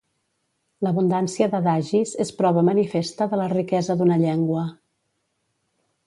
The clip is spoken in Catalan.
L'abundància d'adagis és prova manifesta de la riquesa d'una llengua.